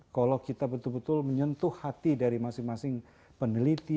kalau kita betul betul menyentuh hati dari masing masing peneliti